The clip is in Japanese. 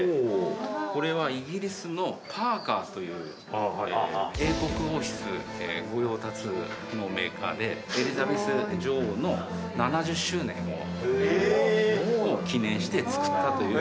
これはイギリスのパーカーという英国王室御用達のメーカーでエリザベス女王の７０周年を記念して作ったという。